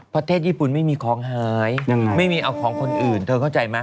ประเทศญี่ปุ่นไม่มีของหายไม่มีเอาของคนอื่นเธอเข้าใจไหม